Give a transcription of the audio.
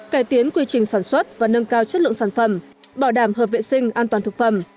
cải tiến quy trình sản xuất và nâng cao chất lượng sản phẩm bảo đảm hợp vệ sinh an toàn thực phẩm